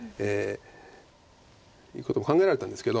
いうことも考えられたんですけど。